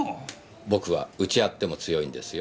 僕は打ち合っても強いんですよ。